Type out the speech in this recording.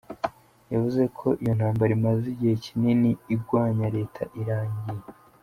Yavuze ko iyo ntambara imaze igihe kinini igwanya reta irangiye.